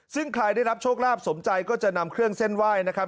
ซึ่งใครได้รับโชคลาภสมใจก็จะนำเครื่องเส้นไหว้นะครับ